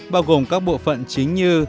bao gồm các bộ phận chính như